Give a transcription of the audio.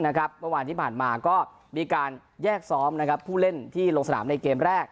เมื่อวานที่ผ่านมาก็มีการแยกซ้อมผู้เล่นที่ลงสนามในเกมแรก